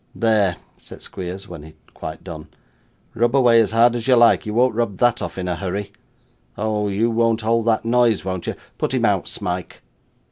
'There,' said Squeers, when he had quite done; 'rub away as hard as you like, you won't rub that off in a hurry. Oh! you won't hold that noise, won't you? Put him out, Smike.